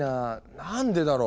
何でだろう？